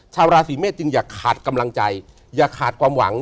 ชาวราศีเมษจึงอย่าขาดกำลังใจอย่าขาดความหวัง